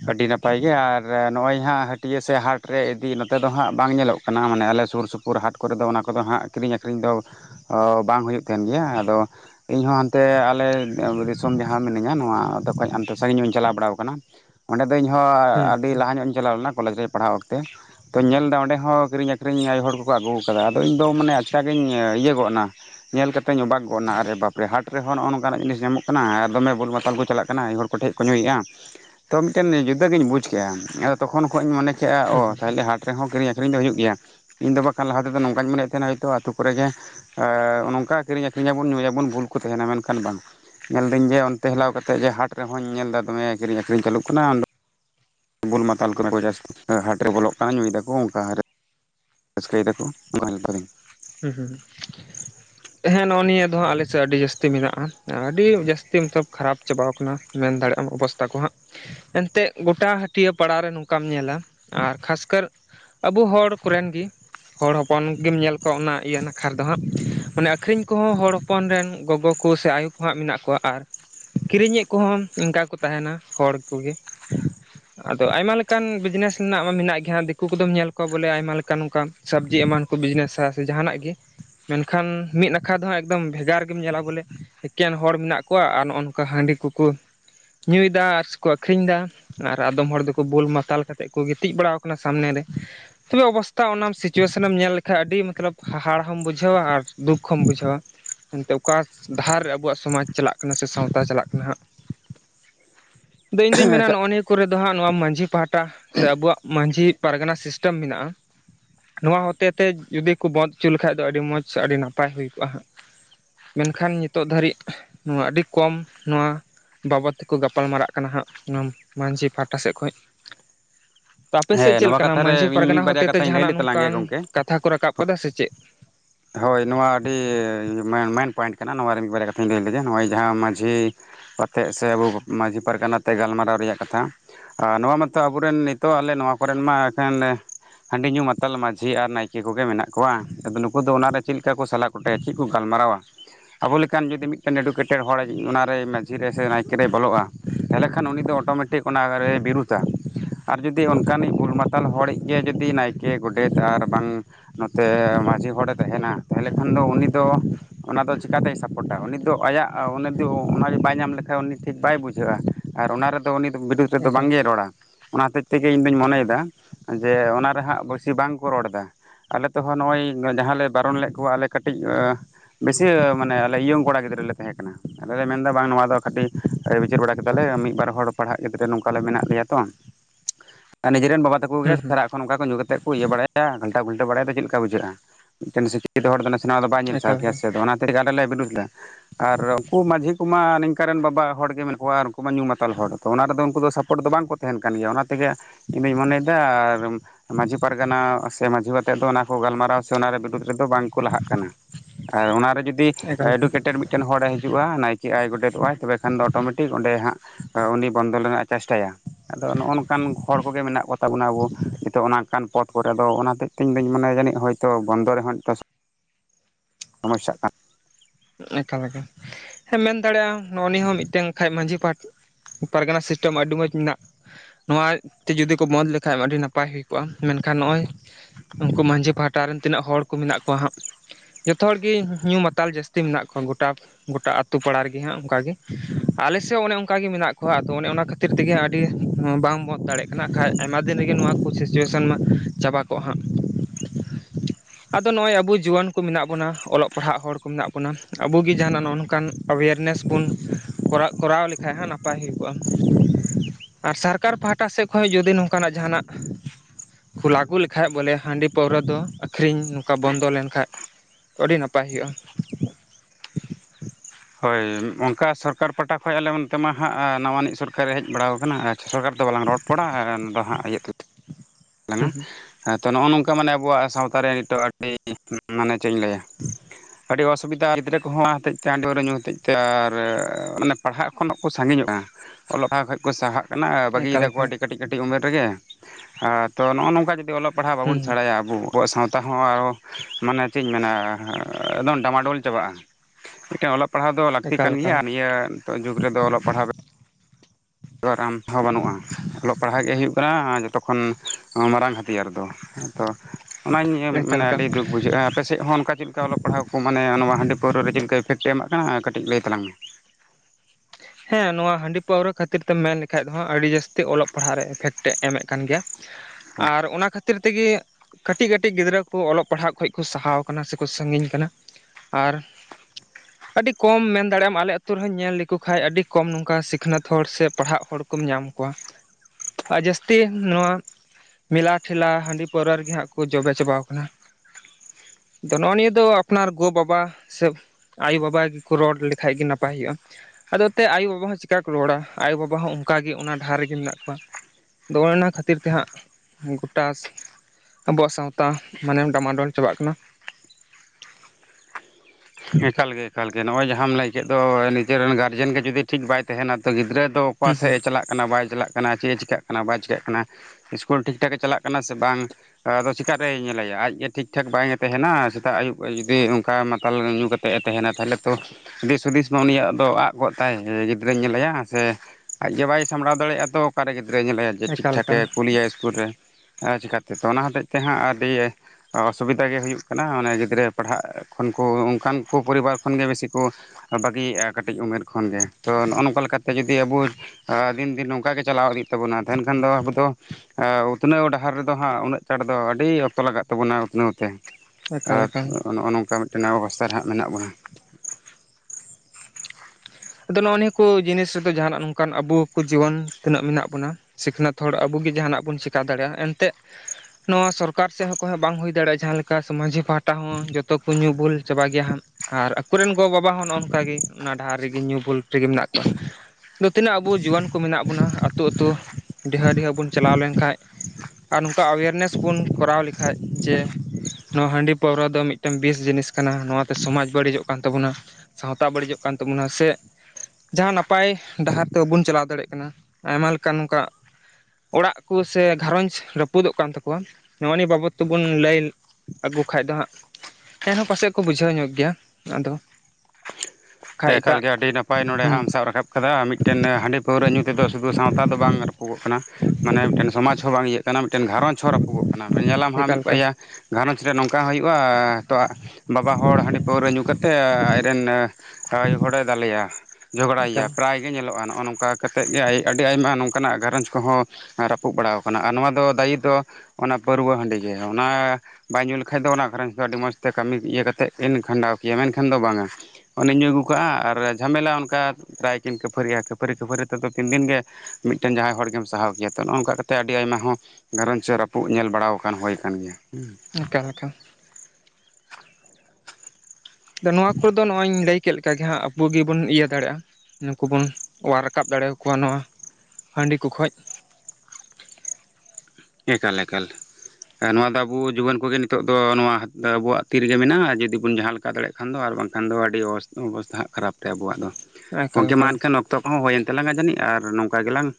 ᱟᱹᱰᱤ ᱱᱟᱯᱟᱭ ᱜᱮ ᱟᱨ ᱱᱚᱜᱼᱚᱭ ᱦᱟᱸᱜ ᱦᱟᱹᱴᱤᱭᱟᱹ ᱥᱮ ᱦᱟᱴ ᱨᱮ ᱤᱫᱤ ᱱᱚᱛᱮ ᱫᱚ ᱦᱟᱸᱜ ᱵᱟᱝ ᱧᱮᱞᱚᱜ ᱠᱟᱱᱟ ᱢᱟᱱᱮ ᱟᱞᱮ ᱥᱩᱨ ᱥᱩᱯᱩᱨ ᱥᱩᱯᱩᱨ ᱦᱟᱴ ᱠᱚᱨᱮ ᱫᱚ ᱚᱱᱟ ᱠᱚᱫᱚ ᱦᱟᱸᱜ ᱠᱤᱨᱤᱧ ᱟᱠᱷᱨᱤᱧ ᱫᱚ ᱵᱟᱝ ᱦᱩᱭᱩᱜ ᱛᱟᱦᱮᱸᱱ ᱜᱮᱭᱟ ᱟᱫᱚ ᱤᱧ ᱦᱚᱸ ᱦᱟᱱᱛᱮ ᱟᱞᱮ ᱫᱤᱥᱚᱢ ᱡᱟᱦᱟᱸ ᱢᱤᱱᱟᱹᱧᱟ ᱱᱚᱣᱟ [unintelligible] ᱠᱷᱚᱱ ᱦᱟᱱᱛᱮ ᱥᱟᱺᱜᱤᱧ ᱧᱚᱜ ᱤᱧ ᱪᱟᱞᱟᱣ ᱵᱟᱲᱟ ᱟᱠᱟᱱᱟ ᱚᱸᱰᱮ ᱫᱚ ᱤᱧᱦᱚᱸ ᱦᱟᱸᱜ ᱟᱹᱰᱤ ᱞᱟᱦᱟ ᱧᱚᱜ ᱤᱧ ᱪᱟᱞᱟᱣ ᱞᱮᱱᱟ ᱠᱚᱞᱮᱡᱽ ᱨᱮ ᱯᱟᱲᱦᱟᱣ ᱚᱠᱛᱮ ᱛᱚᱧ ᱧᱮᱞ ᱮᱫᱟ ᱚᱸᱰᱮ ᱦᱚᱸ ᱠᱤᱨᱤᱧ ᱟᱠᱷᱨᱤᱧ ᱟᱭᱳ ᱦᱚᱲ ᱠᱚᱠᱚ ᱟᱹᱜᱩ ᱟᱠᱟᱫᱟ ᱟᱫᱚ ᱤᱧᱫᱚ ᱢᱟᱱᱮ ᱟᱪᱠᱟ ᱜᱤᱧ ᱤᱭᱟᱹ ᱜᱚᱫ ᱮᱱᱟ ᱧᱮᱞ ᱠᱟᱛᱮᱧ ᱚᱵᱟᱜ ᱜᱚᱫ ᱮᱱᱟ ᱟᱨᱮ ᱵᱟᱯᱨᱮ ᱦᱟᱴ ᱨᱮᱦᱚᱸ ᱱᱚᱜᱼᱚ ᱱᱚᱝᱠᱟᱱᱟᱜ ᱡᱤᱱᱤᱥ ᱧᱟᱢᱚᱜ ᱠᱟᱱᱟ ᱟᱨ ᱫᱚᱢᱮ ᱵᱩᱞ ᱢᱟᱛᱟᱞ ᱠᱚ ᱪᱟᱞᱟᱜ ᱠᱟᱱᱟ ᱟᱭᱳ ᱦᱚᱲ ᱠᱚᱴᱷᱮᱱ᱾ ᱧᱩᱭᱮᱫᱼᱟ ᱛᱚ ᱢᱤᱫᱴᱮᱱ ᱡᱩᱫᱟᱹ ᱜᱮᱧ ᱵᱩᱡ ᱠᱮᱫᱼᱟ ᱟᱫᱚ ᱛᱚᱠᱷᱚᱱ ᱠᱷᱚᱱ ᱤᱧ ᱢᱚᱱᱮ ᱠᱮᱫᱮᱜᱼᱟ ᱚ ᱦᱩᱸ ᱦᱩᱸ ᱛᱟᱦᱚᱞᱮ ᱦᱟᱴ ᱨᱮᱦᱚ ᱠᱤᱨᱤᱧ ᱟᱠᱷᱨᱤᱧ ᱫᱚ ᱦᱩᱭᱩᱜ ᱜᱮᱭᱟ ᱤᱧ ᱫᱚ ᱵᱟᱝᱠᱷᱟᱱ ᱞᱟᱦᱟ ᱛᱮᱫᱚ ᱱᱚᱝᱠᱟᱧ ᱢᱮᱱᱮ ᱮᱫ ᱛᱟᱦᱮᱫ-ᱟ ᱦᱳᱭ ᱛᱚ ᱟᱛᱳ ᱠᱚᱨᱮᱜᱮ ᱱᱚᱝᱠᱟ ᱠᱤᱨᱤᱧ ᱟᱠᱷᱨᱤᱧ ᱟᱵᱚᱱ ᱧᱩᱭᱟᱵᱚᱱ ᱵᱷᱩᱞ ᱠᱚ ᱛᱟᱦᱮᱸᱱᱟ ᱢᱮᱱᱠᱷᱟᱱ ᱵᱟᱝ ᱧᱮᱞ ᱮᱫᱟᱹᱧ ᱡᱮ ᱚᱱᱛᱮ ᱦᱮᱞᱟᱣ ᱠᱟᱛᱮ ᱦᱟᱴ ᱨᱮᱦᱚᱧ ᱧᱮᱞ ᱮᱫᱟ ᱫᱚᱢᱮ ᱠᱤᱨᱤᱧ ᱟᱠᱷᱨᱤᱧ ᱪᱟᱹᱞᱩᱜ ᱠᱟᱱᱟ ᱵᱩᱞ ᱢᱟᱛᱟᱞ [unintelligible] ᱠᱚ ᱡᱟᱹᱛᱤ ᱦᱟᱴᱨᱮ ᱵᱚᱞᱚᱜ ᱠᱟᱱᱟ ᱧᱩᱭ ᱮᱫᱟᱠᱚ ᱚᱱᱠᱟ ᱨᱟᱹᱥᱠᱟᱹᱭ ᱮᱫᱟᱠᱚ ᱢᱳᱵᱟᱭᱤᱞ [unintelligible] ᱦᱩᱸ ᱦᱩᱸ᱾ ᱦᱮᱸ ᱱᱚᱜᱼᱚ ᱱᱤᱭᱟᱹ ᱫᱚ ᱦᱟᱸᱜ ᱟᱞᱮ ᱥᱮᱫ ᱟᱹᱰᱤ ᱡᱟᱹᱥᱛᱤ ᱢᱮᱱᱟᱜᱼᱟ ᱟᱹᱰᱤ ᱡᱟᱹᱥᱛᱤ ᱢᱚᱛᱞᱚᱵ ᱠᱷᱟᱨᱟᱯ ᱪᱟᱵᱟ ᱟᱠᱟᱱᱟ ᱢᱮᱱ ᱫᱟᱲᱮᱭᱟᱜ ᱟᱢ ᱚᱵᱚᱥᱛᱟ ᱠᱚ ᱦᱟᱸᱜ ᱮᱱᱛᱮᱫ ᱜᱳᱚᱴᱟ ᱦᱟᱹᱴᱤᱭᱟᱹᱟᱹ ᱯᱟᱲᱟᱨᱮ ᱱᱚᱝᱠᱟᱢ ᱧᱮᱞᱟ ᱟᱨ ᱠᱷᱟᱥᱠᱟᱨ ᱟᱵᱚ ᱦᱚᱲ ᱠᱚᱨᱮᱱ ᱜᱮ ᱦᱚᱲ ᱦᱚᱯᱚᱱ ᱜᱮᱢ ᱧᱮᱞᱣᱟ ᱚᱱᱟ ᱤᱭᱟᱹ ᱱᱟᱠᱷᱨᱟ ᱨᱮ ᱫᱚ ᱦᱟᱸᱜ ᱢᱟᱱᱮ ᱟᱹᱠᱷᱨᱤᱧ ᱠᱚᱦᱚᱸ ᱦᱚᱲ ᱦᱚᱯᱚᱱ ᱨᱮᱱ ᱜᱚᱜᱚ ᱠᱚ ᱥᱮ ᱟᱭᱳ ᱠᱚ ᱦᱟᱸᱜ ᱢᱮᱱᱟᱜ ᱠᱚᱣᱟ ᱟᱨ ᱠᱤᱨᱤᱧᱮᱫ ᱠᱚᱦᱚᱸ ᱚᱱᱠᱟ ᱠᱚ ᱛᱟᱦᱮᱱᱟ ᱦᱚᱲ ᱠᱚᱜᱮ ᱟᱫᱚ ᱟᱭᱢᱟ ᱞᱮᱠᱟᱱ ᱵᱤᱡᱽᱱᱮᱥ ᱨᱮᱱᱟᱜ ᱢᱟ ᱢᱮᱱᱟᱜ ᱜᱮ ᱦᱟᱜ ᱫᱤᱠᱩ ᱠᱚᱫᱚᱢ ᱧᱮᱞ ᱠᱚᱣᱟ ᱵᱚᱞᱮ ᱟᱭᱢᱟ ᱞᱮᱠᱟᱱ ᱱᱚᱝᱠᱟ ᱥᱚᱵᱽᱡᱤ ᱮᱢᱟᱱ ᱠᱚ ᱵᱤᱡᱽᱱᱮᱥᱟ ᱥᱮ ᱡᱟᱦᱟᱱᱟᱜ ᱜᱮ ᱢᱮᱱᱠᱷᱟᱱ ᱢᱤᱫ ᱱᱟᱠᱷᱟ ᱫᱚ ᱦᱟᱸᱜ ᱮᱠᱫᱚᱢ ᱵᱷᱮᱜᱟᱨ ᱜᱮᱢ ᱧᱮᱞᱟ ᱵᱚᱞᱮ ᱮᱠᱮᱱ ᱦᱚᱲ ᱢᱮᱱᱟᱜ ᱠᱚᱣᱟ ᱟᱨ ᱱᱚᱜᱚ ᱱᱚᱝᱠᱟ ᱦᱟᱺᱰᱤ ᱠᱚᱠᱚ ᱧᱩᱭᱮᱫᱟ ᱟᱨ ᱥᱮ ᱠᱚ ᱟᱠᱷᱨᱤᱧ ᱮᱫᱟ᱾ ᱟᱨ ᱟᱫᱚᱢ ᱦᱚᱲ ᱫᱚᱠᱚ ᱵᱩᱞ ᱢᱟᱛᱟᱞ ᱠᱟᱛᱮᱫ ᱠᱚ ᱜᱤᱛᱤᱡ ᱵᱟᱲᱟ ᱠᱟᱱᱟ ᱥᱟᱢᱱᱮ ᱨᱮ᱾ ᱛᱚᱵᱮ ᱚᱵᱚᱥᱛᱟ ᱚᱱᱟᱢ ᱥᱤᱪᱩᱭᱮᱥᱚᱱᱮᱢ ᱧᱮᱞ ᱞᱮᱠᱷᱟᱱ ᱟᱹᱰᱤ ᱢ ᱢᱚᱛᱞᱚᱵ ᱦᱟᱦᱟᱲ ᱦᱚᱢ ᱵᱩᱡᱷᱟᱹᱣᱟ ᱟᱨ ᱫᱩᱠ ᱦᱢ ᱵᱩᱡᱷᱟᱹᱣᱟ ᱮᱱᱛᱮ ᱚᱠᱟ ᱰᱟᱦᱟᱨ ᱨᱮ ᱟᱵᱚᱣᱟᱜ ᱥᱚᱢᱟᱡ ᱪᱟᱞᱟᱜ ᱠᱟᱱᱟ ᱥᱮ ᱥᱟᱶᱛᱟ ᱪᱟᱞᱟᱜ ᱠᱟᱱᱟ ᱦᱟᱸᱜ [inaudible] [unintelligible] ᱟᱫᱚ ᱤᱧᱫᱚᱩᱧ ᱢᱮᱱᱟ ᱱᱚᱜᱼᱚ ᱱᱤᱭᱟᱹ ᱠᱚ ᱨᱮ ᱫᱚ ᱦᱟᱸᱜ ᱱᱚᱣᱟ ᱢᱟᱺᱡᱷᱤ ᱯᱟᱦᱟᱴᱟ ᱥᱮ ᱟᱵᱚᱣᱟᱜ ᱢᱟᱺᱡᱷᱤ ᱯᱟᱨᱜᱟᱱᱟ ᱥᱤᱥᱴᱮᱢ ᱢᱮᱱᱟᱜᱼᱟ ᱱᱚᱣᱟ ᱦᱚᱛᱮᱛᱮ ᱡᱚᱫᱤ ᱠᱚ ᱵᱚᱱᱫᱷ ᱦᱚᱪᱚ ᱞᱮᱠᱷᱟᱱᱡ ᱫᱚ ᱟᱹᱰᱤ ᱢᱚᱸᱡ ᱟᱹᱰᱤ ᱱᱟᱯᱟᱭ ᱦᱩᱭ ᱠᱚᱜᱼᱟ ᱦᱟᱸᱜ ᱢᱮᱱᱠᱷᱟᱱ ᱱᱤᱛᱚᱜ ᱫᱷᱟᱹᱨᱤᱡ ᱱᱚᱣᱟ ᱟᱹᱰᱤ ᱠᱚᱢ ᱱᱚᱣᱟ ᱵᱟᱵᱚᱫ ᱛᱮᱠᱚ ᱜᱟᱯᱟᱞ ᱢᱟᱨᱟᱜ ᱠᱟᱱᱟ ᱦᱟᱸᱜ ᱱᱚᱣᱟ ᱢᱟᱺᱡᱷᱤ ᱯᱟᱦᱴᱟ ᱥᱮᱫ ᱠᱷᱚᱱᱚᱡ [unintelligible] ᱦᱮᱸ ᱱᱚᱶᱟ ᱠᱟᱛᱷᱟᱮ ᱢᱟᱺᱡᱷᱤ ᱤᱧ ᱢᱤᱫ ᱯᱟᱨᱜᱟᱱᱟ ᱵᱟᱨᱭᱟ ᱦᱚᱛᱮ ᱛᱮ ᱠᱟᱛᱷᱟᱧ ᱞᱟᱹᱭ ᱡᱟᱦᱟᱱᱟᱜ ᱞᱮ ᱛᱟᱞᱟᱝ ᱜᱮ ᱱᱚᱝᱠᱟᱱ ᱜᱚᱝᱠᱮ ᱠᱟᱛᱷᱟ ᱠᱚ ᱨᱟᱠᱟᱵ ᱠᱟᱫᱟ ᱥᱮ ᱪᱮᱫ ᱦᱳᱭ ᱱᱚᱣᱟ ᱟᱹᱰᱤ ᱢᱮᱱ ᱯᱚᱭᱮᱱᱴ ᱠᱟᱱᱟ ᱱᱚᱣᱟ ᱵᱟᱨᱭᱟ ᱠᱟᱛᱷᱟᱧ ᱞᱟᱹᱭ ᱞᱮᱫᱟ ᱱᱚᱜᱼᱚᱭ ᱡᱟᱦᱟᱸ ᱢᱟᱹᱡᱷᱤ ᱠᱟᱛᱜ ᱥᱮ ᱟᱵᱚ ᱢᱟᱺᱡᱷᱤ ᱯᱟᱨᱜᱟᱱᱟ ᱛᱮ ᱜᱟᱞᱢᱟᱨᱟᱣ ᱨᱮᱭᱟᱜ ᱠᱟᱛᱷᱟ ᱟᱨ ᱱᱚᱣᱟ ᱢᱟᱛᱚ ᱟᱵᱚᱨᱮᱱ ᱱᱤᱛᱚᱜ ᱟᱞᱮ ᱱᱚᱣᱟ ᱠᱚᱨᱮᱱ ᱢᱟ ᱮᱠᱷᱮᱱ ᱦᱟᱺᱰᱤ ᱧᱩ ᱢᱟᱛᱟᱞ ᱢᱟᱺᱡᱷᱤ ᱟᱨ ᱱᱟᱭᱠᱮ ᱠᱚᱜᱮ ᱢᱮᱱᱟᱜ ᱠᱚᱣᱟ ᱟᱫᱚ ᱱᱩᱠᱩ ᱫᱚ ᱚᱱᱟᱨᱮ ᱪᱮᱫ ᱞᱮᱠᱟ ᱠᱚ ᱥᱟᱟᱞᱟᱜ ᱠᱚᱣᱟ ᱠᱚᱚᱴᱮᱭᱟ ᱪᱮᱫ ᱠᱚ ᱜᱟᱞᱢᱟᱨᱟᱣᱟ ᱟᱵᱚ ᱞᱮᱠᱟᱱ ᱡᱩᱫᱤ ᱢᱤᱫᱴᱮᱱ ᱮᱰᱩᱠᱮᱴᱮᱮᱴ ᱦᱚᱲ ᱚᱱᱟᱨᱮ ᱢᱟᱺᱡᱷᱮ ᱥᱮ ᱱᱟᱭᱠᱮ ᱨᱮᱭ ᱵᱚᱞᱚᱜᱼᱟ ᱛᱟᱦᱚᱞᱮ ᱠᱷᱟᱱ ᱩᱱᱤ ᱫᱚ ᱚᱴᱳᱢᱮᱴᱤᱠ ᱚᱱᱟ ᱨᱮᱭ ᱵᱤᱨᱩᱫᱟ ᱟᱨ ᱡᱩᱫᱤ ᱡᱩᱤ ᱚᱱᱠᱟᱱᱤᱡ ᱩᱩᱞ ᱢᱟᱛᱟᱞ ᱦᱚᱲᱤᱡ ᱜᱮ ᱡᱩᱫᱤ ᱱᱟᱭᱠᱮ ᱜᱚᱰᱮᱛ ᱟᱨ ᱵᱟᱝ ᱱᱚᱛᱮ ᱢᱺᱡᱷᱤ ᱦᱚᱲᱮ ᱛᱟᱦᱮᱱᱟ ᱛᱟᱦᱚᱞᱮ ᱠᱷᱟᱱ ᱫᱚ ᱩᱱᱤ ᱫᱚ ᱚᱱᱟ ᱫᱚ ᱪᱤᱠᱟᱹᱛᱮᱭ ᱥᱟᱯᱳᱴᱟ ᱩᱱᱤ ᱫᱚ ᱟᱭᱟᱜ ᱩᱱᱤ ᱚᱱᱟ ᱵᱟᱭ ᱧᱟᱢ ᱞᱮᱠᱷᱟᱱ ᱩᱱᱤ ᱴᱷᱤᱠ ᱵᱟᱭ ᱵᱩᱡᱷᱟᱹᱜᱼᱟ ᱟᱨ ᱚᱱᱟ ᱨᱮᱫᱚ ᱩᱱᱤ ᱫᱚ ᱵᱤᱰᱩᱮᱫᱚ ᱮᱠᱟᱞ ᱵᱟᱝᱜᱮ ᱨᱚᱲᱟ ᱚᱱᱟᱛᱮ ᱛᱮᱜᱮ ᱤᱧ ᱫᱩᱧ ᱢᱚᱱᱮᱭᱮᱫᱟ ᱡᱮ ᱚᱱᱟᱨᱮᱦᱟᱸᱜ ᱵᱮᱥᱤ ᱵᱟᱝ ᱠᱚ ᱨᱚᱲ ᱮᱟ ᱟᱞᱮ ᱛᱮᱦᱚᱸ ᱱᱚᱜ ᱚᱚᱭ ᱡᱟᱦᱟᱸ ᱞᱮᱮ ᱵᱟᱨᱚᱱ ᱞᱮᱫ ᱠᱚᱣᱟ ᱟᱞᱮ ᱠᱟᱹᱴᱤᱡ ᱵᱮᱥᱤ ᱢᱟᱱᱮ ᱟᱞᱮ ᱤᱭᱝ ᱠᱚᱲᱟ ᱜᱤᱫᱽᱨᱟᱹ ᱞᱮ ᱛᱟᱦᱮᱸ ᱠᱟᱱᱟ ᱟᱞᱮ ᱢᱮᱱᱫᱟ ᱵᱟᱝ ᱱᱚᱣᱟ ᱫᱚ ᱠᱟᱹᱟᱹᱴᱤᱡ ᱵᱤᱪᱟᱹᱨ ᱵᱟᱲᱟ ᱠᱮᱫᱟᱞᱮ ᱢᱤᱫ ᱵᱟᱨ ᱦᱚᱲ ᱯᱟᱲᱦᱟᱜ ᱠᱟᱛᱮ ᱱᱚᱝᱠᱟᱞᱮ ᱢᱮᱱᱟᱜ ᱞᱮᱭᱟ ᱛᱚ ᱱᱤᱡᱮᱨᱨᱮᱱ ᱵᱟᱵᱟ ᱛᱟᱠᱚ ᱜᱮ ᱦᱩᱸ ᱦᱩᱸ ᱥᱟᱨᱟᱜ ᱛᱚᱠᱷ ᱚᱱ ᱠᱚ ᱧᱩ ᱠᱟᱛᱮᱮᱫ ᱠᱚ ᱤᱭᱟᱹ ᱵᱟᱲᱟᱭᱟ ᱜᱷᱟᱴᱟ ᱜᱷᱟᱹᱴᱟᱹ ᱵᱟᱲᱟᱭᱟ ᱫᱚ ᱪᱮᱫ ᱞᱮᱠᱟ ᱵᱩᱡᱷᱟᱹᱜᱼᱟ ᱢᱤᱫ ᱪ ᱦᱚᱲ ᱫᱚ ᱱᱟᱥᱮᱱᱟᱜ ᱫᱚ ᱵᱟᱭ ᱧᱮᱞ ᱥᱟᱟ ᱮᱠᱟᱞ ᱠᱮᱭᱟ ᱮᱠᱟᱞ ᱥᱮ ᱚᱱᱟ ᱠᱷᱟᱹᱤᱨ ᱜᱟᱰᱮᱞᱮ ᱞᱮ ᱵᱰᱩᱰ ᱞᱮᱫᱟ ᱟᱨ ᱩᱱᱠᱩ ᱢᱟᱟᱹᱡᱷᱤ ᱠᱚᱢᱟ ᱱᱤᱝᱠᱟᱨ ᱨᱮᱱ ᱵᱟᱵᱟ ᱦᱚᱲ ᱜᱮ ᱢᱮᱱᱟᱜ ᱠᱚᱣᱟ ᱟᱨ ᱩᱱᱠᱩ ᱢᱟ ᱧᱩᱢᱟᱛᱟᱞ ᱦᱚᱲ ᱛᱚ ᱚᱱᱟ ᱨᱮᱫᱚ ᱩᱱᱠᱩ ᱫᱚ ᱥᱟᱯᱚᱴ ᱫᱚ ᱵᱟᱝᱠᱚ ᱛᱟᱦᱮᱱ ᱠᱟᱱ ᱜᱮᱭᱟ ᱚᱱᱟ ᱛᱮᱜᱮ ᱤᱧ ᱫᱩᱧ ᱢᱚᱱᱮᱭᱮᱫᱟ ᱟᱨ ᱢᱟᱺᱡᱷᱤ ᱯᱟᱨᱜᱟᱱᱟ ᱥᱮ ᱢᱟᱡᱷᱤ ᱜᱟᱛᱮ ᱫᱚ ᱚᱱᱟ ᱠᱚ ᱜᱟᱞᱢᱟᱨᱟᱣ ᱥᱮ ᱚᱱᱟᱨᱮ ᱰᱩᱲᱩᱵ ᱨᱮᱫᱚ ᱵᱟᱝ ᱠᱚ ᱞᱟᱦᱟᱜ ᱠᱟᱱᱟ ᱟᱨ ᱚᱱᱟᱨᱮ ᱡᱩᱫᱤ ᱮᱠᱟᱞ ᱮᱠᱟᱞ ᱮᱰᱩᱠᱮᱴᱮᱰ ᱢᱤᱫᱮᱱ ᱢᱤᱫᱴᱮᱱ ᱦᱚᱲᱮ ᱦᱤᱡᱩᱜᱼᱟ ᱱᱟᱭᱠᱮᱼ ᱟᱭ ᱜᱚᱰᱮᱛᱚᱜᱼ ᱟᱭ ᱛᱚᱵᱮ ᱠᱷᱟᱱ ᱫᱚ ᱚᱴᱳᱢᱮᱴᱤᱠ ᱚᱸᱰᱮ ᱦᱟᱸᱜ ᱩᱱᱤ ᱵᱚᱱᱫᱚ ᱨᱮᱱᱟᱜ ᱮ ᱪᱮᱥᱴᱟᱭᱟ ᱟᱫᱚ ᱱᱚᱜ ᱱᱚᱝᱠᱟᱱ ᱦᱚᱲ ᱠᱚᱜᱮ ᱢᱮᱱᱟᱜ ᱠᱚᱛᱟᱵᱚᱱᱟ ᱟᱵᱚ ᱱᱤᱛᱚᱜ ᱚᱱᱠᱟᱱ ᱯᱚᱫᱽ ᱠᱚᱨᱮ ᱟᱫᱚ ᱚᱱᱟ ᱦᱚᱛᱮᱡ ᱛᱮ ᱤᱧᱫᱚᱩᱧ ᱢᱚᱱᱮᱭᱟ ᱡᱟᱹᱱᱤᱡ ᱦᱚᱭᱛᱳ ᱵᱚᱱᱫᱚ ᱨᱮᱦᱚᱸᱚᱜ ᱥᱚᱢᱚᱥᱥᱟᱜ ᱠᱟᱱ ᱮᱠᱟᱞᱮᱠᱟ ᱦᱮᱸ ᱢᱮᱱ ᱫᱟᱲᱮᱭᱟᱜᱼᱟᱢ ᱱᱚᱜᱼᱚᱭ ᱱᱤᱭᱟᱹ ᱦᱚᱸ ᱢᱤᱫᱴᱮᱱ ᱠᱷᱟᱱ ᱢᱟᱺᱡᱷᱤ ᱯᱟᱴ ᱯᱟᱨᱜᱟᱱᱟ ᱥᱤᱥᱴᱮᱢ ᱟᱹᱰᱤ ᱢᱚᱸᱡᱽ ᱢᱮᱱᱟᱜ ᱱᱚᱣᱟᱛᱮ ᱡᱩᱫᱤ ᱠᱚ ᱵᱚᱸᱱᱫᱽ ᱞᱮᱠᱷᱟᱡ ᱟᱹᱰᱤ ᱱᱟᱯᱟᱭ ᱦᱩᱭ ᱠᱚᱜᱼᱟ ᱢᱮᱱᱠᱷᱟᱱ ᱱᱚᱜᱼᱚᱭ ᱩᱱᱠᱩ ᱢᱟᱺᱡᱷᱤ ᱯᱟᱦᱴᱟ ᱨᱮᱱ ᱛᱤᱱᱟᱹᱜ ᱦᱚᱲᱠᱩ ᱢᱮᱱᱟᱜ ᱠᱚᱣᱟ ᱦᱟᱸᱜ ᱡᱚᱛᱚ ᱦᱚᱲᱜᱤ ᱧᱩ ᱢᱟᱛᱟᱞ ᱡᱟᱹᱥᱛᱤ ᱦᱛᱤ ᱢᱮᱱᱟᱜ ᱠᱚᱣᱟ ᱜᱚᱴᱟ ᱜᱚᱴᱟ ᱟᱛᱳ ᱯᱟᱲᱟ ᱨᱮᱜᱮ ᱦᱟᱸᱜ ᱚᱱᱠᱟᱜ ᱜᱮ ᱟᱞᱮᱮᱥᱮᱫ ᱦᱚᱸ ᱚᱱᱮ ᱚᱱᱠᱠᱟᱟᱜᱮ ᱢᱮᱱᱟᱜ ᱠᱚᱣᱟ ᱟᱫᱚ ᱚᱱᱮ ᱚᱱᱟᱛ ᱠᱷᱟᱹᱛᱤᱨ ᱛᱮᱜᱮ ᱟᱹᱰᱤ ᱵᱟᱢ ᱵᱚᱫ ᱫᱟᱲᱮᱮᱜ ᱠᱟᱱᱟᱠᱷᱟᱡ ᱟᱭᱢᱟ ᱫᱤᱱ ᱨᱮᱜᱮ ᱱᱚᱣᱟ ᱠᱚ ᱥᱤᱪᱩᱭᱮᱥᱚᱱ ᱢᱟ ᱪᱟᱵᱟ ᱠᱚᱜ ᱦᱟᱸᱜ [unintelligible] ᱟᱫᱚ ᱱᱚᱜᱼᱚᱭ ᱟᱵᱚ ᱡᱩᱣᱟᱹᱱ ᱠᱚ ᱢᱮᱱᱟᱜ ᱵᱚᱱᱟ ᱚᱞᱚᱜ ᱯᱟᱲᱦᱟᱜ ᱦᱚᱲ ᱠᱚ ᱢᱮᱱᱟᱜ ᱵᱚᱱᱟ ᱟᱵᱚᱜᱮ ᱡᱟᱦᱟᱱᱟᱜ ᱱᱚᱜᱼᱚ ᱱᱚᱝᱠᱟᱱ ᱮᱣᱮᱨᱱᱮᱥ ᱵᱚᱱᱨ ᱠᱚᱨᱟᱣ ᱞᱮᱠᱷᱟᱱᱡ ᱦ ᱱᱟᱟᱭ ᱱᱟᱯᱟᱭ ᱦᱩᱭᱜᱼᱟ ᱟᱨ ᱥᱚᱨᱠᱟᱨ ᱯᱟᱦᱴᱟ ᱥᱮᱫ ᱠᱷᱚᱱ ᱡᱚᱫᱤ ᱱᱚᱝᱠᱟᱱᱟᱜ ᱡᱟᱦᱟᱱᱟᱜ ᱠᱚ ᱟᱹᱜᱩ ᱞᱮᱠᱷᱟᱡ ᱵᱚᱞᱮ ᱦᱟᱺᱰᱤ ᱯᱟᱹᱣᱨᱟᱹ ᱫᱚ ᱟᱹᱠᱷᱨᱤᱧ ᱱᱚᱝᱠᱟ ᱵᱚᱱᱫᱚ ᱞᱮᱱᱠᱷᱟᱡ ᱟᱹᱰᱤ ᱱᱟᱯᱟᱭ ᱦᱩᱭᱩᱜᱼᱟ ᱦᱳᱭ ᱚᱝᱠᱟ ᱥᱚᱨᱠᱟᱨ ᱯᱟᱦᱟᱴᱟ ᱠᱷᱚᱱᱚᱡ ᱟᱞᱮ ᱚᱱᱛᱮᱢᱟ ᱦᱟᱸᱟᱜ ᱱᱟᱣᱟᱱᱤᱡ ᱥᱚᱨᱠᱟᱨᱮ ᱦᱮᱡ ᱵᱟᱲᱟᱟᱣ ᱟᱠᱟᱱᱟ ᱟᱨ ᱥᱚᱨᱠᱟᱨ ᱫᱚ ᱵᱟᱞᱟᱝ ᱨᱚᱲᱯᱚᱲᱟ ᱚᱱᱟ ᱫᱚ ᱦᱟᱸᱜ ᱤᱭᱟᱹᱜ ᱛᱮ ᱠᱟᱱᱟ, ᱦᱩᱸ ᱦᱩᱸ ᱦᱮᱸ ᱛᱚ ᱱᱚᱜᱼᱚ ᱱᱚᱝᱠᱟ ᱢᱟᱱᱮ ᱟᱵᱚᱣᱟᱜ ᱥᱟᱶᱛᱟ ᱨᱮ ᱱᱤᱛᱚᱜ [unintelligible] ᱢᱟᱱᱮ ᱪᱮᱫ ᱤᱧ ᱞᱟᱹᱭᱟ ᱟᱹᱰᱤ ᱚᱥᱩᱵᱤᱫᱟ ᱜᱤᱫᱽᱨᱟᱹ ᱠᱚᱦᱚᱸ ᱦᱚᱛᱮᱡ ᱛᱮ ᱦᱟᱺᱰᱤ ᱯᱟᱹᱣᱨᱟᱹ ᱧᱩ ᱦᱚᱛᱮᱡ ᱛᱮ ᱟᱨ ᱢᱟᱱᱮ ᱯᱟᱲᱦᱟᱜ ᱠᱷᱚᱱᱚᱱᱟᱜ ᱠᱚ ᱥᱟᱺᱜᱤᱧᱚᱜᱼᱟ ᱚᱞᱚᱜ ᱯᱟᱲᱦᱟᱜ ᱠᱷᱚᱡ ᱠᱚ ᱥᱟᱦᱟᱜ ᱠᱟᱱᱟ ᱮᱠᱟᱞ ᱵᱟᱹᱜᱤᱭᱮᱫᱟᱠᱚ ᱮᱠᱟᱞ ᱟᱰᱤ ᱠᱟᱹᱴᱤᱡ ᱠᱟᱹᱴᱤᱡ ᱩᱢᱮᱨ ᱨᱮᱜᱮ, ᱟᱻ ᱛᱚ ᱱᱚᱜᱼᱚ ᱱᱚᱝᱠᱟ ᱡᱩᱤ ᱚᱞᱚᱜ ᱯᱟᱲᱦᱟᱣ ᱦᱩᱸ ᱵᱟᱵᱚᱱ ᱦᱩᱸ ᱥᱮᱬᱟᱭᱟ ᱟᱵᱚ ᱟᱵᱚᱣᱟᱜ ᱥᱟᱶᱛᱟ ᱦᱚᱸ ᱟᱨᱚ ᱢᱟᱱᱮ ᱪᱮᱫ ᱤᱧ ᱢᱮᱱᱟ ᱮᱠᱫᱚᱢ ᱰᱟᱢᱟᱰᱳᱞ ᱪᱟᱵᱟᱜᱼᱟ ᱢᱤᱫᱴᱮᱱ ᱚᱞᱚᱜ ᱯᱟᱲᱦᱟᱣ ᱫᱚ ᱞᱟᱹᱠᱛᱤ ᱮᱠᱟᱞ ᱠᱟᱱ ᱮᱠᱟᱞ ᱜᱮᱭᱟ, ᱱᱤᱭᱟᱹ ᱱᱤᱛᱳᱜ ᱡᱩᱜᱽ ᱨᱮᱫᱚᱟᱲ ᱫᱚ ᱚᱞᱚᱜ ᱯᱟᱲᱦᱟᱣ ᱫᱚ ᱨᱟᱱ ᱦᱚᱸ ᱵᱟᱹᱱᱩᱜᱼᱟ, ᱚᱞᱚᱜ ᱯᱟᱲᱦᱟᱜ ᱜᱮ ᱦᱩᱭᱩᱜ ᱠᱟᱱᱟ ᱡᱚᱛᱚ ᱠᱷᱚᱱᱚᱱ ᱢᱟᱨᱟᱝ ᱦᱟᱹᱛᱭᱟᱨ ᱫᱚ ᱛᱚ ᱚᱱᱟᱧ ᱮᱠᱟᱞ ᱢᱟᱱᱮ ᱮᱠᱟᱞ ᱟᱹᱰᱤ ᱫᱩᱠ ᱵᱩᱡᱷᱟᱹᱜᱼᱟ ᱟᱯᱮ ᱥᱮᱫ ᱦᱚᱸ ᱚᱱᱠᱟ ᱪᱮᱫ ᱞᱮᱠᱟ ᱚᱞᱚᱜ ᱯᱟᱲᱦᱟᱣ ᱠᱚ ᱢᱟᱱᱮ ᱱᱚᱣᱟ ᱦᱟᱺᱰᱤ ᱯᱟᱹᱣᱨᱟ ᱨᱮ ᱪᱮᱫ ᱞᱮᱠᱟ ᱤᱯᱷᱮᱠᱴᱮ ᱮᱢᱮᱜ ᱠᱟᱱᱟ ᱚᱱᱟ ᱠᱟᱹᱴᱤᱡ ᱞᱟᱹᱭ ᱛᱟᱞᱟᱝ ᱢᱮ ᱦᱮᱸ ᱱᱚᱣᱟ ᱦᱟᱺᱰᱤ ᱯᱟᱹᱣᱨᱟᱹ ᱠᱷᱟᱹᱛᱤᱨ ᱛᱮᱢ ᱢᱮᱱ ᱞᱮᱠᱷᱟᱡ ᱫᱚᱦᱚ ᱟᱹᱰᱤ ᱡᱟᱹᱥᱛᱤ ᱚᱞᱚᱜ ᱯᱟᱲᱦᱟᱜ ᱨᱮ ᱮᱯᱷᱮᱠᱴᱮ ᱮᱢᱮᱫ ᱠᱟᱱ ᱜᱮᱭᱟ ᱟᱨ ᱚᱱᱟ ᱠᱷᱟᱛ ᱛᱤᱨ ᱛᱮᱜᱮ ᱠᱟᱹᱴᱤᱡ ᱠᱟᱹᱴᱤᱡ ᱜᱤᱫᱽᱨᱟᱹ ᱠᱚ ᱚᱞᱚᱜ ᱯᱟᱲᱦᱟᱜ ᱠᱷᱚᱱ ᱠᱚ ᱥᱟᱦᱟᱣ ᱟᱠᱟᱱᱟ ᱥᱮᱠᱚ ᱥᱟᱹᱜᱤᱧ ᱠᱟᱱᱟ ᱟᱨ ᱟᱹᱰᱤ ᱠᱚᱢ ᱢᱮᱱ ᱫᱟᱲᱮᱭᱟᱜ-ᱟᱢ ᱟᱞᱮ ᱟᱹᱛᱩ ᱨᱮᱦᱚᱸᱧ ᱧᱮᱞ ᱞᱮᱠᱚ ᱠᱷᱟᱡ ᱟᱹᱰᱤ ᱠᱚᱢ ᱱᱚᱝᱠᱟ ᱥᱤᱠᱷᱱᱟᱹᱛ ᱦᱚᱲ ᱥᱮ ᱯᱟᱲᱦᱟᱜ ᱦᱚᱲ ᱠᱚᱢ ᱧᱟᱢ ᱠᱚᱣᱟ ᱟᱨ ᱡᱟᱹᱥᱛᱤ ᱱᱚᱣᱟ ᱢᱮᱞᱟ ᱴᱷᱮᱞᱟ ᱦᱟᱺᱰᱤ ᱯᱟᱹᱣᱨᱟᱹ ᱨᱮᱜᱮ ᱦᱟᱸᱜ ᱠᱚ ᱡᱚᱵᱮ ᱪᱟᱵᱟᱟᱣ ᱟᱠᱟᱱᱟ ᱟᱫᱚ ᱱᱚᱜᱼᱚ ᱱᱤᱭᱟᱹ ᱫᱚ ᱟᱯᱱᱟᱨ ᱜᱚ ᱵᱟᱵᱟ ᱥᱮ ᱟᱭᱩ ᱵᱟᱵᱟ ᱜᱮᱠᱚ ᱨᱚᱲ ᱞᱮᱠᱷᱟᱡ ᱜᱮ ᱱᱟᱯᱟᱭ ᱦᱩᱭᱩᱜᱼᱟ ᱟᱫᱚ ᱮᱱᱚᱛᱮᱫ ᱟᱭᱳ ᱵᱟᱵᱟ ᱦᱚᱸ ᱪᱮᱠᱟ ᱠᱚ ᱨᱚᱲᱟ, ᱟᱭᱳ ᱵᱟᱵᱟ ᱦᱚᱸ ᱚᱝᱠᱟᱜ ᱜᱮ, ᱚᱱᱟ ᱰᱟᱦᱟᱨ ᱨᱮᱜᱮ ᱢᱮᱱᱟᱜ ᱠᱚᱣᱟ ᱟᱫᱚ ᱚᱱᱟ ᱠᱷᱟᱹᱛᱤᱨ ᱛᱮ ᱦᱟᱸᱜ ᱜᱚᱴᱟᱥ ᱟᱵᱚᱣᱟᱜ ᱥᱟᱶᱛᱟ ᱢᱟᱱᱮ ᱰᱟᱢᱟᱰᱚᱞ ᱪᱟᱵᱟᱜ ᱠᱟᱱᱟ ᱮᱠᱟᱞᱜᱮ ᱮᱠᱟᱞᱜᱮ ᱱᱚᱜᱼᱚᱭ ᱡᱟᱦᱟᱸᱟᱢ ᱞᱟᱹᱭ ᱠᱮᱫ ᱫᱚ ᱱᱤᱡᱮᱱ ᱜᱟᱨᱡᱮᱱ ᱜᱮ ᱡᱩᱫᱤ ᱴᱷᱤᱠ ᱵᱟᱭ ᱛᱟᱦᱮᱱᱟ ᱛᱚ ᱜᱤᱫᱽᱨᱟᱹ ᱫᱚ ᱚᱠᱟ ᱦᱩᱸ ᱦᱩᱸ ᱥᱮᱫ-ᱮ ᱪᱟᱞᱟᱜ ᱠᱟᱱᱟ ᱵᱟᱭ ᱪᱟᱞᱟᱜ ᱠᱟᱱᱟ ᱪᱮᱫ ᱮ ᱪᱤᱠᱟᱹᱜ ᱠᱟᱱᱟ ᱵᱟᱭ ᱪᱤᱠᱟᱹᱜ ᱠᱟᱱᱟ ᱤᱥᱠᱩᱞ ᱴᱷᱤᱠ ᱴᱷᱟᱠᱮ ᱪᱟᱞᱟᱜ ᱠᱟᱱᱟ ᱥᱮ ᱵᱟᱝ ᱟᱫᱚ ᱪᱮᱟᱛᱮᱭ ᱧᱮᱞᱮᱭᱟ, ᱟᱡᱜᱮ ᱴᱷᱤᱠᱴᱷᱟᱠ ᱵᱟᱝ ᱮ ᱛᱟᱦᱮᱱᱟ ᱥᱮᱛᱟᱜ ᱟᱹᱭᱩᱵ ᱡᱩᱫᱤ ᱱᱚᱝᱠᱟ [unintelligible] ᱢᱟᱛᱟᱞ ᱧᱩ ᱠᱟᱛᱮᱫ-ᱮ ᱛᱟᱦᱮᱱᱟ ᱛᱟᱦᱞᱮ ᱛᱚ ᱫᱤᱥ ᱦᱩᱫᱤᱥ ᱢᱟ ᱩᱱᱤᱭᱟᱜ ᱫᱚ ᱟᱜ ᱜᱚᱜ ᱛᱟᱭ ᱜᱤᱫᱽᱨᱟᱹᱧ ᱧᱮᱞᱮᱭᱟ ᱥᱮ ᱟᱡ ᱡᱮ ᱵᱟᱭ ᱥᱟᱢᱵᱲᱟᱣ ᱫᱟᱲᱮᱭᱟᱜᱼᱟ ᱛᱚ ᱚᱠᱟᱨᱮ ᱜᱤᱫᱽᱨᱟᱹᱭ ᱧᱮᱞᱮᱭᱟ ᱡᱮ ᱴᱷᱤᱠ ᱮᱠᱟᱞ ᱮᱠᱟᱞ ᱴᱷᱟᱠᱮ ᱠᱩᱞᱮᱭᱟ ᱤᱥᱠᱩᱞ ᱨᱮ ᱟ‌ᱪᱮᱠᱟᱛᱮ ᱛᱚ ᱚᱱᱟ ᱦᱚᱛᱮᱡ ᱛᱮ ᱦᱟᱜ ᱟᱹᱰᱤ ᱚᱥᱩᱵᱤᱫᱷᱟ ᱜᱮ ᱦᱩᱭᱩᱜ ᱠᱟᱱᱟ ᱚᱱᱮ ᱜᱤᱫᱽᱨᱟᱹ ᱯᱟᱲᱦᱟᱜ ᱚᱱᱠᱟᱱ ᱠᱚ ᱚᱱᱠᱟᱱ ᱠᱚ ᱯᱚᱨᱤᱵᱟᱨ ᱠᱷᱚᱱ ᱜᱮ ᱵᱤᱥᱤ ᱠᱚ ᱵᱟᱹᱜᱤᱭᱮᱜᱼᱟ ᱠᱟᱹᱴᱤᱡ ᱩᱢᱮᱨ ᱠᱷᱚᱱᱜᱮ ᱛᱚ ᱱᱚᱜᱼᱚ ᱱᱚᱝᱠᱟ ᱞᱮᱠᱟᱛᱮ ᱡᱚᱫᱤ ᱟᱵᱚ ᱫᱤᱱ ᱫᱤᱱ ᱱᱚᱝᱠᱟ ᱜᱮ ᱪᱟᱞᱟᱣ ᱤᱫᱤᱜ ᱛᱟᱵᱚᱱᱟ, ᱛᱟᱦᱮᱱ ᱠᱷᱟᱱ ᱫᱚ ᱟᱵᱚ ᱫᱚ ᱩᱛᱱᱟᱹᱣ ᱰᱟᱦᱟᱨ ᱨᱮᱫᱚ ᱦᱟᱸᱜ ᱩᱱᱟᱹᱜ ᱪᱚᱴ ᱫᱚ ᱟᱹᱰᱤ ᱚᱠᱛᱚ ᱞᱟᱜᱟᱜ ᱛᱟᱵᱚᱱᱟ ᱩᱛᱱᱟᱹᱣ ᱛᱮ ᱮᱠᱟᱞ ᱟᱨ ᱮᱠᱟᱞ ᱱᱚᱜᱼᱚ ᱱᱚᱝᱠᱟ ᱢᱤᱫᱴᱮᱱ ᱚᱵᱚᱥᱛᱟ ᱨᱮ ᱦᱟᱸᱜ ᱢᱮᱱᱟᱜ ᱵᱚᱱᱟ ᱟᱫᱚ ᱱᱚᱜᱼᱚ ᱱᱤᱭᱟᱹ ᱠᱚ ᱡᱤᱱᱤᱥ ᱨᱮᱫᱚ ᱡᱟᱦᱟᱱᱟᱜ ᱱᱚᱝᱠᱟᱱ ᱟᱵᱚ ᱠᱚ ᱡᱩᱣᱟᱹᱱ ᱛᱤᱱᱟᱹᱜ ᱢᱮᱱᱟᱜ ᱵᱚᱱᱟ ᱥᱤᱠᱷᱱᱟᱹᱛ ᱦᱚᱲ ᱟᱵᱚ ᱜᱮ ᱡᱟᱦᱟᱱᱟᱜ ᱵᱚᱱ ᱪᱮᱠᱟ ᱫᱟᱲᱮᱭᱟᱜᱼᱟ ᱮᱱᱛᱮᱫ ᱱᱚᱣᱟ ᱥᱚᱨᱠᱟᱨ ᱥᱮᱫ ᱦᱚᱸ ᱠᱚ ᱵᱟᱝ ᱦᱩᱭ ᱫᱟᱲᱮᱭᱟᱜᱼᱟ ᱡᱟᱦᱟᱸ ᱞᱮᱠᱟ ᱥᱟᱢᱟᱡᱤᱠ ᱯᱟᱦᱴᱟ ᱦᱚᱸ ᱡᱚᱛᱚ ᱠᱚ ᱧᱩ ᱵᱩᱞ ᱪᱟᱵᱟ ᱜᱮᱭᱟ ᱦᱟᱸᱜ ᱟᱨ ᱟᱠᱚᱨᱮᱱ ᱜᱚ ᱵᱟᱵᱟ ᱦᱚᱸ ᱱᱚᱜ-ᱚ ᱱᱚᱝᱠᱟ ᱜᱮ ᱚᱱᱟ ᱰᱟᱦᱟᱨ ᱨᱮᱜᱮ ᱧᱩ ᱵᱩᱞ ᱛᱮᱜᱮ ᱢᱮᱱᱟᱜ ᱠᱚᱣᱟ, ᱱᱚᱛᱮᱱᱟᱜ ᱟᱵᱚ ᱡᱩᱣᱟᱹᱱ ᱠᱚ ᱢᱮᱱᱟᱜ ᱵᱚᱱᱟ ᱟᱹᱛᱩ ᱟᱹᱛᱩ ᱰᱤᱦᱟᱹ ᱰᱤᱦᱟᱹ ᱵᱚᱱ ᱪᱟᱞᱟᱣ ᱞᱮᱱᱠᱟᱡ ᱟᱨ ᱱᱚᱝᱠᱟ ᱮᱣᱮᱨᱱᱮᱥ ᱵᱚᱱ ᱠᱚᱨᱟᱣ ᱞᱮᱠᱷᱟᱡ ᱡᱮ ᱱᱚᱣᱟ ᱦᱟᱺᱰᱤ ᱯᱟᱹᱣᱨᱟᱹ ᱫᱚ ᱢᱤᱫᱴᱮᱱ ᱵᱤᱥ ᱡᱤᱱᱤᱥ ᱠᱟᱱᱟ, ᱱᱚᱣᱟᱛᱮ ᱥᱚᱢᱟᱡᱽ ᱵᱟᱹᱲᱤᱡᱚᱜ ᱠᱟᱱ ᱛᱟᱵᱚᱱᱟ ᱥᱟᱶᱛᱟ ᱵᱟᱹᱲᱤᱡᱚᱜ ᱠᱟᱱ ᱛᱟᱵᱚᱱᱟ ᱥᱮ ᱡᱟᱦᱟᱸ ᱱᱟᱯᱟᱭ ᱰᱟᱦᱟᱨ ᱛᱮ ᱵᱟᱵᱩᱱ ᱪᱟᱞᱟᱣ ᱫᱟᱲᱮᱜ ᱠᱟᱱᱟ ᱟᱭᱢᱟ ᱞᱮᱠᱟ ᱱᱚᱝᱠᱟ ᱚᱲᱟᱜ ᱠᱚ ᱥᱮ ᱜᱷᱟᱨᱚᱸᱡᱽ ᱨᱟᱹᱯᱩᱫᱚᱜ ᱠᱟᱱ ᱛᱟᱠᱚᱣᱟ ᱱᱚᱜ-ᱚ ᱱᱤᱭᱟᱹ ᱵᱟᱵᱚᱛ ᱛᱮᱵᱚᱱ ᱞᱟᱹᱭ ᱟᱹᱜᱩ ᱠᱷᱟᱡ ᱫᱚ ᱦᱟᱜ ᱮᱱᱦᱚᱸ ᱯᱟᱥᱮᱜ ᱠᱚ ᱵᱩᱡᱷᱟᱹᱣ ᱧᱚᱜ ᱜᱮᱭᱟ ᱟᱫᱚ ᱠᱷᱟᱡ ᱮᱴᱟᱜ ᱮᱠᱟᱞᱜᱮ ᱟᱹᱰᱤ ᱱᱟᱯᱟᱭ ᱱᱚᱰᱮ ᱦᱟᱜ ᱦᱮᱸ ᱟᱢ ᱥᱟᱶ ᱨᱟᱠᱟᱵ ᱠᱟᱫᱟ ᱢᱤᱫᱴᱮᱱ ᱦᱟᱺᱰᱤ ᱯᱟᱹᱣᱨᱟᱹ ᱧᱩ ᱛᱮᱫᱚ ᱥᱩᱫᱩ ᱥᱟᱶᱛᱟ ᱫᱚ ᱵᱟᱝ ᱨᱟᱹᱯᱩᱜᱚᱜ ᱠᱟᱱᱟ, ᱢᱟᱱᱮ ᱢᱤᱫᱴᱮᱱ ᱥᱚᱢᱟᱡᱽ ᱦᱚᱸ ᱵᱟᱝ ᱤᱭᱟᱹᱜ ᱠᱟᱱᱟ ᱢᱤᱫᱴᱮᱱ ᱜᱷᱟᱨᱚᱸᱡᱽ ᱦᱚᱸ ᱨᱟᱹᱯᱩᱜᱚᱜ ᱠᱟᱱᱟ, ᱧᱮᱞᱟᱢ ᱦᱟᱜ ᱮᱠᱟᱞ ᱢᱤᱫ ᱮᱠᱟᱞ ᱵᱟᱨᱭᱟ ᱜᱷᱟᱨᱚᱸᱡᱽ ᱨᱮ ᱱᱚᱝᱠᱟ ᱦᱩᱭᱩᱜᱼᱟ ᱛᱚ ᱵᱟᱵᱟ ᱦᱚᱲ ᱦᱟᱺᱰᱤ ᱯᱟᱹᱣᱨᱟᱹ ᱧᱩ ᱠᱟᱛᱮ ᱟᱡᱨᱮᱱ ᱟᱭᱳ ᱦᱚᱲᱮ ᱫᱟᱞᱮᱭᱟ ᱡᱷᱚᱜᱽᱲᱟᱭ ᱮᱠᱟᱞ ᱭᱟ ᱟᱭ ᱜᱮ ᱧᱮᱞᱚᱜᱼᱟ ᱱᱚᱜᱼᱚ ᱱᱚᱝᱠᱟ ᱠᱟᱛᱮᱫ ᱜᱮ ᱟᱹᱰᱤ ᱟᱭᱢᱟ ᱱᱚᱝᱠᱟᱱᱟᱜ ᱜᱷᱟᱨᱚᱸᱡᱽ ᱠᱚᱦᱚᱸ ᱨᱟᱹᱯᱩᱫ ᱵᱟᱲᱟᱣ ᱠᱟᱱᱟ, ᱟᱨ ᱱᱚᱣᱟ ᱫᱚ ᱫᱟᱹᱭᱤ ᱫᱚ ᱚᱱᱟ ᱯᱟᱹᱨᱣᱟᱹ ᱦᱟᱺᱰᱤ ᱜᱮ ᱚᱱᱟ ᱵᱟᱭ ᱧᱩ ᱞᱮᱠᱷᱟᱡ ᱫᱚ ᱚᱱᱟ ᱜᱷᱟᱨᱚᱸᱡᱽ ᱫᱚ ᱟᱹᱰᱤ ᱢᱚᱡᱽ ᱛᱮ ᱠᱟᱹᱢᱤ ᱤᱭᱟᱹ ᱠᱟᱛᱮᱜ ᱠᱤᱱ ᱠᱷᱟᱸᱰᱟᱣ ᱠᱮᱭᱟ ᱢᱮᱱᱠᱷᱟᱱ ᱫᱚ ᱵᱟᱝᱟ ᱚᱱᱤ ᱧᱩ ᱟᱹᱜᱩ ᱠᱟᱜᱼᱟ ᱟᱨ ᱡᱷᱟᱢᱮᱞᱟ ᱚᱱᱠᱟ ᱯᱨᱟᱭᱠᱤᱱ ᱠᱷᱟᱹᱯᱟᱨᱤᱜ-ᱟ ᱠᱷᱟᱹᱯᱟᱨᱤ ᱠᱷᱟᱹᱯᱟᱨᱤ ᱛᱮᱫᱚ ᱛᱤᱱ ᱫᱤᱱᱜᱮ ᱢᱤᱫᱴᱮᱱ ᱡᱟᱦᱟᱭ ᱦᱚᱲᱜᱮᱢ ᱥᱟᱦᱟᱣ ᱠᱮᱭᱟ ᱛᱚ ᱱᱚᱜ-ᱚ ᱱᱚᱝᱠᱟ ᱠᱟᱛᱮ ᱟᱹᱰᱤ ᱟᱭᱢᱟ ᱦᱚᱸ ᱜᱷᱟᱨᱚᱸᱡᱽ ᱥᱮ ᱨᱟᱹᱯᱩᱜ ᱧᱮᱞ ᱵᱟᱲᱟᱣ ᱠᱟᱱ ᱦᱳᱭ ᱠᱟᱱ ᱜᱮᱭᱟ ᱟᱠᱟ ᱞᱮᱠᱟ ᱱᱚᱣᱟ ᱠᱚᱫᱚ ᱱᱚᱜ-ᱚᱭ ᱤᱧ ᱞᱟᱹᱭ ᱪᱮᱫᱞᱮᱠᱟᱜᱮ ᱦᱟᱜ ᱟᱵᱚ ᱜᱮᱵᱚᱱ ᱤᱭᱟᱹ ᱫᱟᱲᱮᱜᱼᱟ ᱱᱩᱠᱩ ᱵᱚᱱ ᱚᱣᱟᱨ ᱨᱟᱠᱟᱵ ᱫᱟᱲᱮᱣᱟᱠᱚᱣᱟ ᱱᱚᱣᱟ ᱦᱟᱺᱰᱤ ᱠᱚ ᱠᱷᱚᱡ ᱮᱠᱟᱞ ᱮᱠᱟᱞ ᱱᱚᱣᱟ ᱫᱚ ᱟᱵᱚ ᱡᱩᱣᱟᱹᱱ ᱠᱚᱜᱮ ᱱᱤᱛᱚᱜ ᱫᱚ ᱱᱚᱣᱟ ᱟᱵᱚᱣᱟᱜ ᱛᱤ ᱨᱮᱜᱮ ᱢᱮᱱᱟᱜᱼᱟ ᱡᱩᱫᱤ ᱵᱚᱱ ᱡᱟᱦᱟ ᱞᱮᱠᱟ ᱫᱟᱲᱮᱜ ᱠᱷᱟᱱ ᱫᱚ ᱟᱨ ᱵᱟᱝᱠᱷᱟᱱ ᱫᱚ ᱟᱹᱰᱤ ᱚᱵᱚᱥᱛᱷᱟ ᱦᱟᱜ ᱠᱷᱟᱨᱟᱯ ᱜᱮ ᱟᱵᱚᱣᱟᱜ ᱫᱚ ᱮᱠᱟᱞ ᱜᱚᱢᱠᱮ ᱢᱟ ᱮᱠᱟᱞ ᱮᱱᱠᱷᱟᱱ ᱚᱠᱛᱚ ᱠᱚᱦᱚᱸ ᱦᱳᱭᱮᱱ ᱛᱟᱞᱟᱝᱟ ᱡᱟᱱᱤᱡ ᱟᱨ ᱱᱚᱝᱠᱟ ᱜᱮᱞᱟᱝ